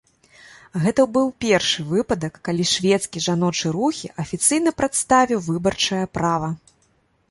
Гэта быў першы выпадак, калі шведскі жаночы рухі афіцыйна прадставіў выбарчае права.